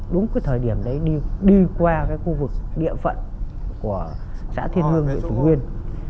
đúng cái thời điểm đấy đi qua cái khu vực địa phận của xã thiên hương về thủ nguyên